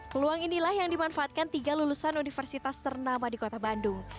peluang inilah yang dimanfaatkan tiga lulusan universitas ternama di kota bandung